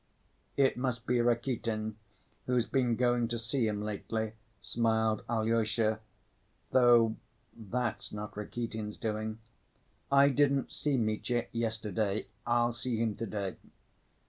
"It must be Rakitin, who's been going to see him lately," smiled Alyosha, "though ... that's not Rakitin's doing. I didn't see Mitya yesterday. I'll see him to‐day."